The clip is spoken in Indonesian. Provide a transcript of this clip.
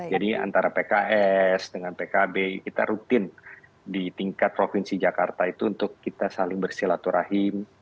jadi antara pks dengan pkb kita rutin di tingkat provinsi jakarta itu untuk kita saling bersilaturahim